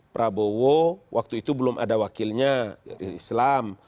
prabowo waktu itu belum ada wakilnya islam